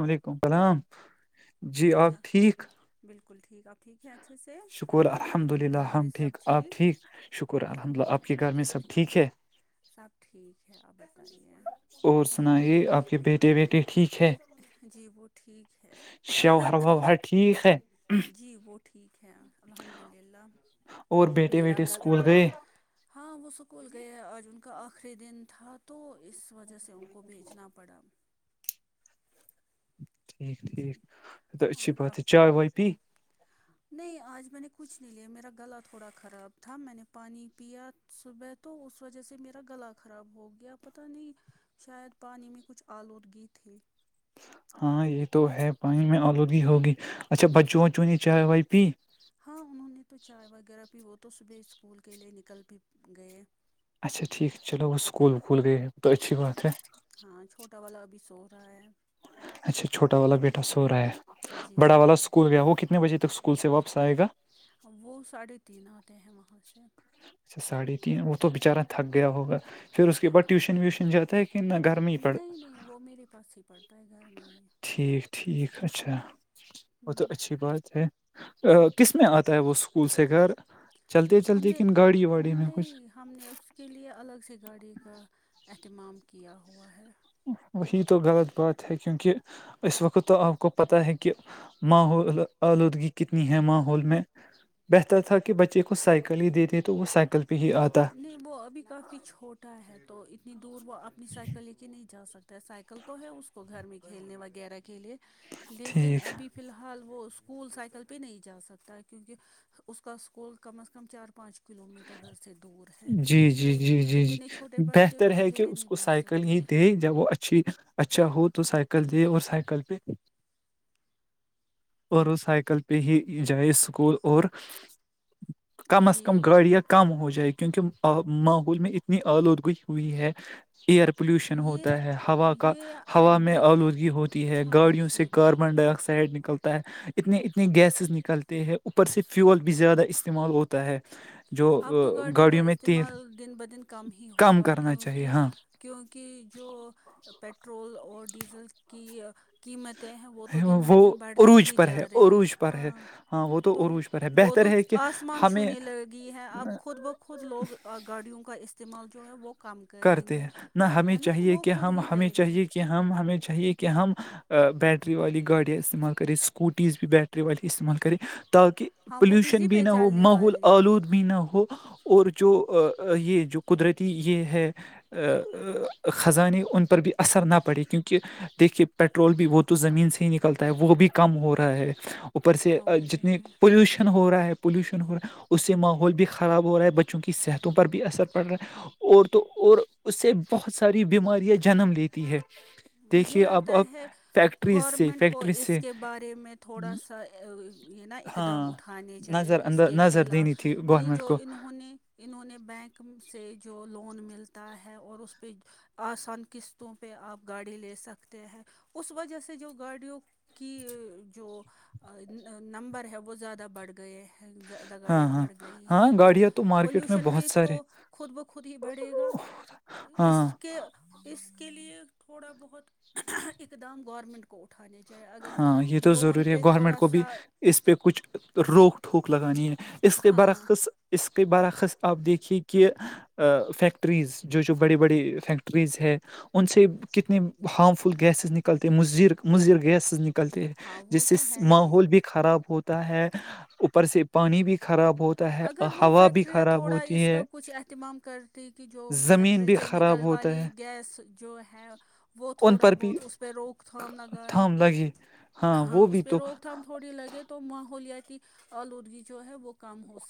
وعلیکم السلام جی آپ کیسا ٹھیک بالکل ٹھیک آپ ٹھیک ہے اچھے سے شکر الحمد للہ گھر میں ہم سب آپ ٹھیک شکر الحمد آپ کے گھر للہ میں سب ٹھیک ٹھیک ہے سب ٹھیک ہے آپ بتائیے اور سنائیے آپ کے بیٹے بیٹے ٹھیک ہے جی وہ ٹھیک ہے شوہر ووہر ٹھیک ہے جی وہ ٹھیک ہے الحمد للہ اور بیٹے میرا بیٹے گ اسکول گئے ہاں وہ سکول گیا آج ان کا آخری دن تھا تو اس وجہ سے ان کو بھیجنا پڑا ٹھیک جی ٹھیک اچھی اور آپ بات ہے چائے وائے پ نہیں آج میں نے کچھ نہیں لیا میرا گلا تھوڑا خراب تھا میں نے پانی پیا صبح تو اس وجہ سے میرا گلا خراب ہو گیا پت نہیں شاید پانی میں کچھ آلودگی تھی ہاں یہ تو ہے پانی میں آلودگی ہوگی اچھا بچوں بچوں یہ چائے وائے پی ہاں انہوں نے تو چائے وغیرہ بھی وہ تو صبح اسکول کے لیے نکل بھی گئے اچا ٹھیک چلو وہ سکولکول گیئےے توتچھی بات رہ ہے ہاں چھوٹا والا ابھی سو رہا ہے اچھا چھوٹا والا بیٹا سو رہا ہے جی بڑا جی والا جی اسکول گیا وہ کتنے بجے تک اسکول سے واپس آئے گا ا وہ ساڑھے تین آتے ہیں وہاں سے اچھا ساڑھے تین وہ تو بچارا تھک گیا ہوگا پھر اس کے بعد ہاں ٹیوشن ویوشن جاتا ہے کہ نہ گھر میں ہی پڑ نہیں نہیں وہ میرے پاس ہی پڑتا ہے گھر میں ہی ٹھیک ٹھیک اچھا وہ تو ہوں، اچھی بات ہے کس میں آتا ہے وہ اسکول سے گھر چلتے ہم چلتے نے کن گاڑی واڑی میں کچھ نہیں ہم نے اس کے لیے الگ سے گاڑی کا اہتمام کیا ہوا ہے وہی تو غلط بات ہے کیونکہ اس وقت تو آپ کو پتا ہے کہ م آلودگی کتنی ہے ماحول میں بہتر تھا کہ کہ بچے کو سائیکل ہی دیتے تو وہ سائیکل پہ ہی آتا نہیں وہ ابھی کافی چھوٹا ہے تو اتنی دور وہ اپنی سائیکل لے کے نہیں جا سکتے سائیکل تو ہے اس کو گھر میں کھیلنے وغیرہ کے لیے لیکن ٹھیک ابھی فی الحال وہ اسکول سائیکل پہ نہیں جا سکتا ہے کیونکہ اس کا اسکول کم از کم چار پانچ کلو میٹر گھر سے دور ہے جی جی تو جی جی جی اتنے چھوٹے بچے کو اکیلے نہیں بھیج سکتے ہیں د جب وہ اچھی اچھا ہو تو سائیکل دے اور سائیکل پہ اور سائیکل پہ ہی جائے اسکول اور کم از جی کم گاڑیاں کم ہو جائے کیونکہ ماحول میں اتنی آلودگوی ہوئی ہے ایئر پولوشن یہ ہوتا ہے ہوا کا یہ ہوا میں آلودگی ہوتی ہے ہاں گاڑیوں سے جی کار ن ڈائی آکسائڈ نکلتا ہے اتنے اتنے گیسز نکلتے ہیں اوپر سے فیول بھی زیادہ استعمال ہوتا ہے جو اب تو آ، گاڑیوں کا میں تیل استعمال دن بہدن کم ہی ہوگا کرنا چاہیے کیونکہ ہاں کیونکہ جو پٹرول اور ڈیزل کی قیمتیں ہیں وہ تو دن ب وہ دن بڑھتی عروج ہی پر ہے جا رہی عروج پر ہے ہاں ہاں وہ تو عروج پر ہے وہ بہتر تو ہے کہ آسمان ہمیں چھونے لگی ہے اب خود بخود لوگ گاڑیوں کا استعمال جو ہے وہ کم کریں کرتے گے ہیں نہ ہمیں ہے نا چاہیے وہ کہ خود ہم ہی ہمیں کریں گے چاہیے کہ ہم ہمیں چاہیے کہ ہم بیٹری والی گاڑیاں استعمال کرے سکوٹییز بھی بیٹری والی استعمال کرے تاکہ ہاں وہ پولوشن بجلی بھی پہ نہ ہو چلنے ماحول والی آلود بھی نہ ہو اور جو یہ جو قدرتی یہ ہے خزانے ان پر بھی اثر نہ پڑے کیونکہ دیکھیے پٹرول بھی وہ تو زمین سے ہی نکلتا ہے وہ بھی کم ہو رہا ہے اوپر سے ہاں وہ تو جتنی ہے پولوشن ہو رہا ہے پولوشن ہو رہا ہے اس سے ماحول بھی خراب ہو رہا ہے بچوں کی صحتوں پر بھی اثر پڑ رہا ہے اور تو اور اس سے بہت ساری بیماریاں جنم لیتی ہے مجھے دیکھیے اب لگتا اب ہے فیکٹریز سے گورنمنٹ کو فیکٹریز سے اس کے بارے میں تھوا سا یہ نا اقدام ہاں اھانے چایے نظر ا اندر کے نظر دینی خلاف تھی یہ گورنمنٹ جو کو انہوں نے انہوں نے بینک سے جو لون ملتا ہے اور اس پہ آسان قسطوں پہ آپ گاڑی لے سکتے ہیں اس وجہ سے جو گاڑیوں کی جو نمبر ہے وہ زیادہ بڑھ گئے ہیں زیادہ ہاں گاڑیاں ہاں بڑھ گئی ہاں ہیں تو گاڑیاں مارکیٹ میں پولوشن بہت بھی سارے تو خود بخود ہی بڑھے گا اس ہاں کے اس کے لیے تھوڑا بہت اقدام گورنمنٹ کو اٹھانے جاہ اگر ہاں یہ تو لون ضروری ہے پہ گورنمنٹ تھوڑا کو بھی سا اس پہ کچھ روک ٹوک لگانی ہے اس کے ہاں برعکس اس کے برعکس آپ دیکھیے کہ فیکٹریز جو جو بڑی بڑی فیکٹریز ہے ان سے کتنے ہارم فل گیسز نکلتے م مضر گیس نکلتے ہیں ہاں وہ جس سے تو ہے ہی ماحول بھی خراب ہوتا ہے اوپر سے پانی بھی خراب ہوتا ہے اگر وہ ہوا بھی فیکٹریاں خراب تھوڑا ہوتی اس کا ہے کچھ اہتمام کرتی کہ جو زمین فیکٹری بھی سے خراب نکل ہوتا والی ہے گیس جو ہے وہ ان تھوڑا پر بھی بہت اس روک تھام لگاںے تھام لگے ہاں وہ بھی اس پہ تو روک تھام تھوڑی لگے تو ماحولیاتی آلودگی جو ہے وہ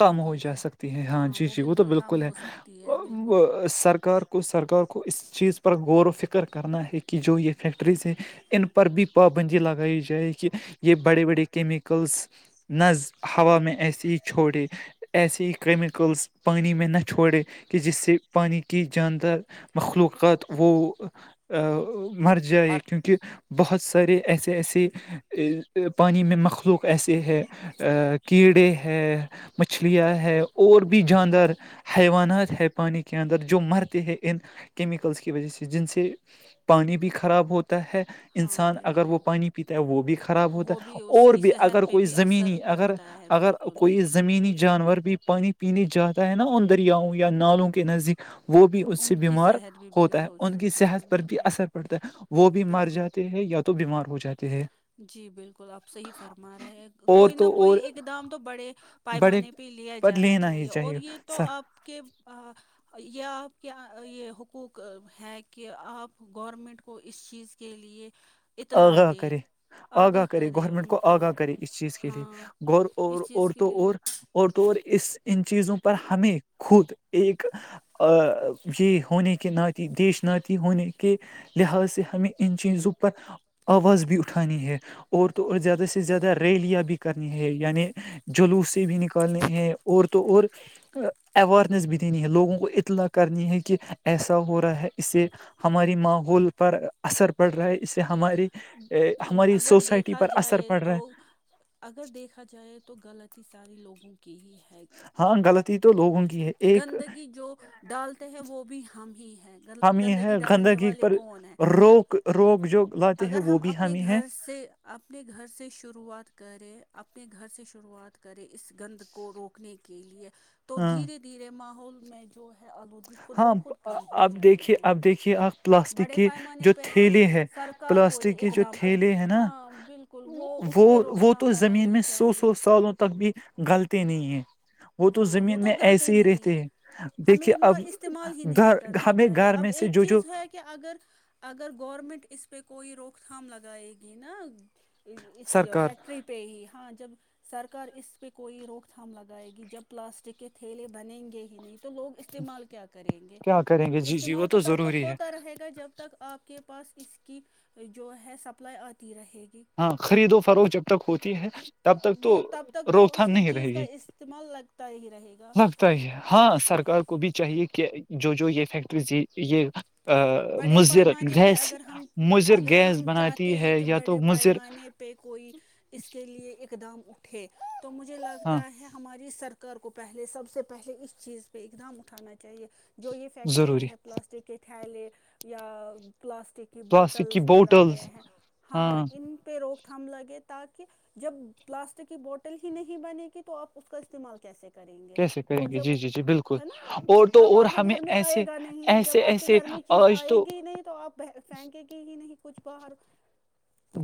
کم ہو جا سکتی ہے ہاں جی جی وہ تو کم بالکل ہے ہو سکتی ہے بالکل سرکار کو سرکار کو اس چیز پر غور و فکر کرنا ہے کہ جو یہ فیکٹریز ہیں ان پر بھی پابندی لگائی جائے کہ یہ بڑے بڑے کیمیکلس ناز ہوا میں ایسی ایسے ہی کیمیکلس پانی میں نہ چھوڑے کہ جس سے پانی کی جاندار مخلوقات وہ مر جائے کیونکہ بہت سارے ایسے ایسے پانی میں مخلوق ایسے ہے کیڑے ہے مچھلیاں ہے اور بھی جاندور حیوانات ہے پانی کے اندر جو مرتے ہیں ان کیمیکلس کی وجہ سے جن سے پانی بھی خراب ہوتا ہے ہاں انسان اگر وہ بالکل پانی پیتا ہے وہ بھی خراب ہوتا وہ ہے بھی اس اور کی بھی اگر صحت پہ کوئی بھی اثر زمینی اگر پڑتا ہے اگر بالکل کوئی زمینی جانور بھی پانی پینے جاتا ہے نا ان دریاؤں یا نالوں کے نزدیک وہ بھی اس سے ان کی بیمار صحت بھی بگڑ ہوتا ہے ہو ان کی سکتی ہے صحت پر بھی بالکل اثر پڑتا ہے وہ بھی مر بالکل جاتے ہیں یا تو بیمار ہو جاتے ہیں جی بالکل آپ سے فرما رہے اور کوئی نہ تو کوئی اور ایک دام تو بڑے بڑے پیمانے پہ لیا پر جانا لینا ہی چاہیے اور یہ سر تو آپ کے یہ آپ کیا یہ حقوق ہے کہ آپ گورنمنٹ کو اس چیز کے لیئے اطلاد آگاہ کرے آگاہ کرے گورنمنٹ کو آگاہ کرے اس چیز کے لیے ہاں گور اور اس چیز کے اورورتوں لیے اور اور تو اس ان چیزوں پر ہمیں خود ایک یہ ہونے کے نتی دیش نتی ہونے کے لہذ سے ہمیں ان چیزوں پر آواز بھی اٹھانی ہے اور تو زیادہ سے زیادہ ریلیاں بھی کرنی ہے یعنی جلوس سے بھی نکالنے ہیں اور تو اور اویرنیس بھی دینی ہے لوگوں کو اطلاع کرنی ہے کہ ایسا ہو رہا ہے اسے ہماری ماحول پر اثر پڑ رہا ہے اس سے ہماری ہماری اگر سوسائٹی دیکھا پر اثر جائے پڑ رہا تو ہے اگر دیکھا جائے تو غلطی سارے لوگوں کی ہی ہے ہاں غلط تو لوگوں کی ہے ایک گندگی جو ڈالتے ہیں وہ بھی ہم ہی ہیں ہم یہ گندگی ہے ڈالنے گندگی والے پر کون ہیں روک روک جو لاتے ہیں اگر وہ ہم بھی اپنے ہمیں ہے گھر سے اپنے گھر سے شروعات کرے اپنے گھر سے شروعات کرے اس گند کو روکنے کے لیے تو ہاں دھیرے دھیرے ماحول میں جو ہے آلودگی خود ہاں بخود آ- کم ہو اب جائے دیکھیے گی اب دیکھیے آپ پلاسٹک بڑے کے پیمانے جو پہ تو تھیلے ہیں سرک کار کوئی پلاسٹک کے ایک جو دم تھیلے ہیں نا ہاں بالکل وہ اس پہ روک وہ تھام تو زمین لگانی میں سو چاہیے سو سالوں تک بھی گلط نہیں ہے وہ تو ہاں زمین میں غلطی ایسے ہی نہیں ہے رہتے ہیں ہمیں دیکھیے ان آ [unintelligible] کا اب استعمال ہی گھر نہیں کرنا ہمیں چاہیے گھر میں اب سے ایک جو جو چیز ہے کہ اگر اگر گورنمنٹ اس پہ کوئی روک تھام لگائے گی نا اس سرکار فیکٹری پہ ہی ہاں جب سرکار اس پہ کوئی روک تھام لگائے گی جب پلاسٹک کے تھیلے بنیں گے ہی نہیں تو لوگ استعمال کیا کریں گے کیا کریں گے جی جی وہ استعمال تو تب تک ضروری ہے ہوتا رہے گا جب ب تک آپ کے پاس اس کی جو ہے سپلائی آتی رہے گی ہاں خرید و فروخت جب تک ہوتی ہے تب تک تو وہ تب تک روک تو تھام اس نہیں چیز رہے کا گی استعمال لگتا ہی رہے گا لگتا ہی ہے ہاں سرکار کو بھی چاہیے کہ جو جو یہ فیکٹری یہ بڑے مضر پیمانے پہ گیس اگر ہم مضر اگر گیس ہم بناتی چاہتے ہیں ہے کہ یا تو بڑے مضر پیمانے پہ کوئی اس کے لیے اقدام اٹھے تو مجھے ہاں لگتا ہے ہماری سرک کر کو پہلے سب سے پہلے اس چیز پہ اقدام اٹھانا چاہیے جو یہ ضروری فیکٹریز ہے پلاسٹک کےٹھائیل یا پلاسٹک کی پلاسٹک کی بوٹلس بنا بوٹلس گیا ہیں ہاں ان پہ روک تھم لگے تاکہ جب پلاسٹک کی بوٹل ہی نہیں بنے گی تو آپ اس کا استعمال کیسے کر کریں گے کیسے کریں اور گے جب جی جی جی بالکل ہے نا اور تو تب اور آپ کے ہمیں گھر میں آئے ایسے گا نہیں جب ایسے آپ کے ایسے گھر میں چیز آج آئیں تو گی ہی نہیں تو آپ پھینکیں گی ہی نہیں کچھ باہر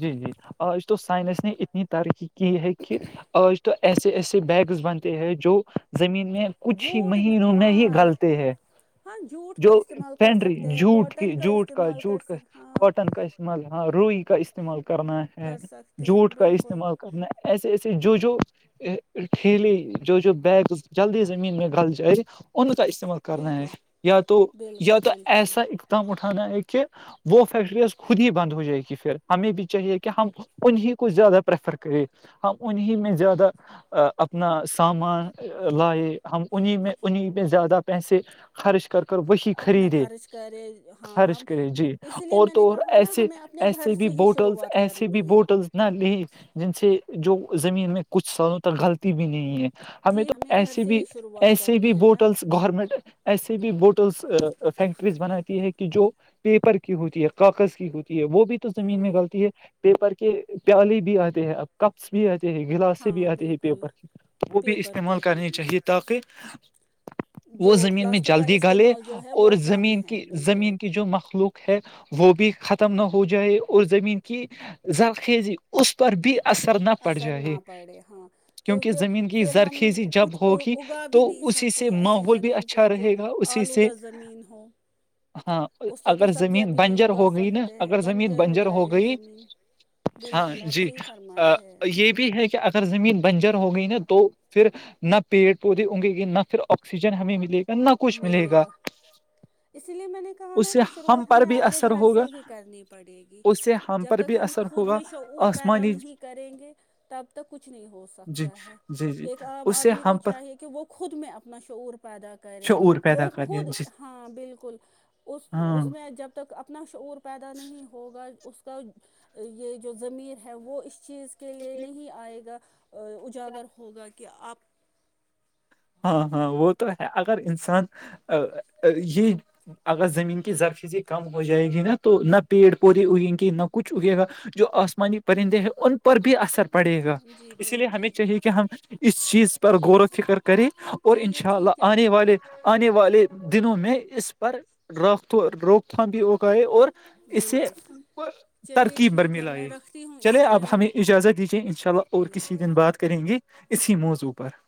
جی جی اور اس تو سائنس نے اتنی ترقی کی ہے کہ کہ آج تو ایسے ایسے بیگس بنتے ہیں جو زمین میں کچھ ہی جھوٹ مہینوں میں ہی ہاں گل ہے ہاں جھوٹ [unintelligible] کا جو استعمال کر پینڈری سکتے ہیں جوٹ کی کاٹن جٹ کا استعمال کر جوٹ کا سک ہاں کاٹن کا [unintelligible] ع ہاں روئی کا استعمال کرنا ہے کر سکتے ہیں جوھوٹ کا بالکل استعمال کرنا ایسے ایسے جو جو ھیلی جو جو بیگ جلدی زمین میں گل جائے ان کا استعمال کرنا ہے بالکل یا تو یا بالکل تو بالکل ایسا کم اٹھانا ہے کہ وہ فیکٹریز خود ہی بند ہو جائے گی پھر ہمیں بھی چاہیے کہ ہم انیں کو زیادہ پریفر کریں ہم انیں میں زیادہ اپنا سامان لائے ہم انیں میں انہیں میں زیادہ پیسے خرچ کر کر وہی اپنا خریدے خرچ کرے ہاں خرچ کرے جی اسی لیے اور میں نے تو کہا نا ایسے ہمیں اپنے گھر ایے بھی سے ہی بوٹلس شروعات ایسے بھی کرنی ہے بوٹلس نہ ل جن سے جو زمین میں کچھ سالوں تک غلطی بھی نہیں ہے ہمیں جی تو گھر ایسے سے بھی ہی شروعات ایسے بھی کرنی ہے نا بوٹلس گورنمنٹ ایسے بھی بوٹلس فیکٹریز بناتی ہے کہ جو پیپر کی ہوتی ہے کاغذ کی ہوتی ہے وہ بھی تو زمین میں ہاں غلتی ہے پیپر کے پیالے بھی آتے ہیں آپ کپس بھی آتے ہیں گلاس بھی ہاں آتے ہیں بالکل پیپر کی وہ بھی پیپر کے استعمال کرنی ہاں چاہیے تاکہ وہ جو زمین میں پلاسٹک کا جلدی گلے استعمال جو ہے اور وہ کم زمین ہے کی بالکل زمین کی جو مخلوق ہے وہ بھی ختم نہ ہو جائے اور زمین کی زرخیزی اس پر بھی اثر نہ پڑ اثر جائے نہ پڑے ہاں کیونکہ زمین کی پھر ہم زرخیزی جب کچھ ہوگی اگا بھی تو نہیں اسی سے سکتے ایسی ماحول بھی زمین اچھا پہ جو رہے گا اسی سے آلودہ زمین ہو ہاں اس سے تو اگر سبزیاں زمین بھی نہیں بنجر اگا ہو گئی نا سکتے اگر ہیں زمین بنجر ہو جائے گی گئی زمین ہاں بالکل آپ جی صحیح فرما یہ رہے ہیں یہ بھی ہے کہ اگر زمین بنجر ہو گئی نا تو پھر نہ پیڑ پودے اگے گے نہ پھر آکسیجن ہمیں ملے گا نہ کچھ ملے گا اسی لیے میں نے کہا نا اس سے کہ ہم شروعات پر ہمیں بھی اپنے اثر گھر ہوگا سے ہی کرنی پڑے گی اس سے جب پر تک بھی ہم اثر خود ہوگا میں شعور پیدا آسمانی نہیں کریں گے تب کچھ نہیں ہو جی سکتا ہے جی جی ایک عام اس سے آدمی کو ہم پر چاہیے کہ وہ خود میں اپنا شعور پیدا کر کرے شعور پیدا وہ کریے خود جی ہاں بالکل اس ہاں اس میں جب تک اپنا شعور پیدا نہیں ہوگا اس کا یہ جو زمین ہے وہ اس چیز کے لیے نہیں آئے گا اجاگر ہوگا کہ آپ ہاں ہاں وہ تو ہے اگر انسان یہ اگر زمین کی زرخیزی کم ہو جائے گی نا تو نہ پیڑ پودے اگیں گی نہ کچھ اگے گا جو آسمانی پرندے ہیں ان کو پر بھی اثر پڑے گا جی اسی لیے ہمیں بالکل چاہیے کہ ہم اس چیز پر غور و فکر اور ان چلیے شاء اللہ ٹھیک ہے آنے والے والے آنے والے دنوں میں اس پر ر روک تھام بھی اگا ہے اور [unintelligible] اس سے بالکل چلیے ترکیب ٹھیک برمی ہے میں لئے رکھتی ہوں اس چلے اپ ٹائم ہمیں اجازت دیجیے ان شاء اللہ اور کسی دن بات کریں گی اسی موضوع پر